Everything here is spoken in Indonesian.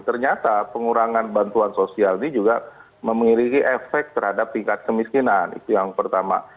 ternyata pengurangan bantuan sosial ini juga memiliki efek terhadap tingkat kemiskinan itu yang pertama